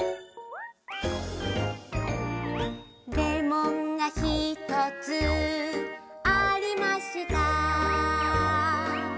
「レモンがひとつありました」